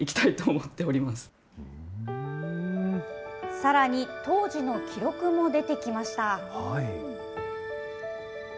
さらに当時の記録も出てきました。